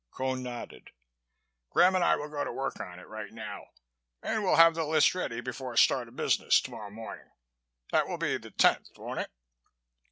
Cone nodded. "Graham and I will go to work on it now, and we'll have the list ready before start of business tomorrow morning. That will be the tenth, won't it?"